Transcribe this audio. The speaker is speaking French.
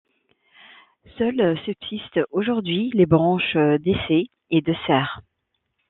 Seules subsistent aujourd'hui les branches d'Essé et de Cers.